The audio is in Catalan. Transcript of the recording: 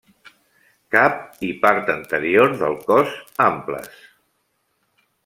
Cap i part anterior del cos amples.